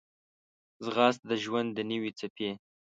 ځغاسته د ژوند د نوې څپې